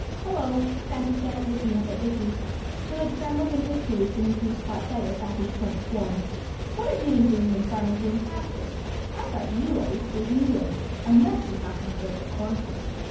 "Hullo!" Fatty said, looking up at Dickie, who had scrambled into a tree as soon as he caught sight of Fatty's plump form. "What have you been doing in Farmer Green's pasture! I thought you always stayed in the woods unless you happened to go to the cornfield."